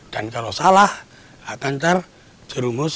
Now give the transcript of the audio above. dan kalau salah akan terjerumus